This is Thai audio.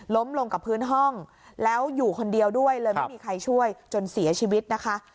ลงกับพื้นห้องแล้วอยู่คนเดียวด้วยเลยไม่มีใครช่วยจนเสียชีวิตนะคะ